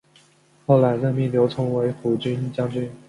后来任命刘聪为抚军将军。